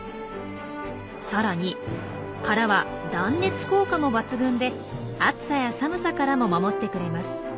さらに殻は断熱効果も抜群で暑さや寒さからも守ってくれます。